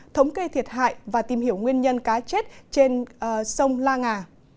thống kê thiệt hại và tìm hiểu nguyên nhân cá chết trên sông la ngà